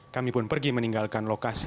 kami pun pergi meninggalkan lokasi